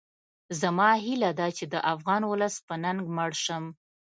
زما هیله ده چې د افغان ولس په ننګ مړ شم